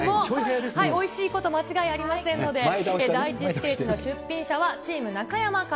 おいしいことは間違いありませんので、第１ステージの出品者は、チーム中山から。